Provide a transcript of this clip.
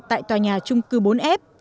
tại tòa nhà chung cư bốn f